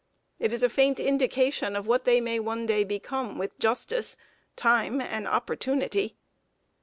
It is a faint indication of what they may one day become, with Justice, Time, and Opportunity.